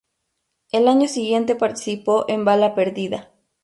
El año siguiente participó en "Bala perdida".